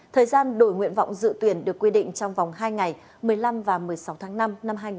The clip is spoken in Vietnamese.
thời gian đổi nguyện vọng dự tuyển được quy định trong vòng hai ngày một mươi năm và một mươi sáu tháng năm năm hai nghìn hai mươi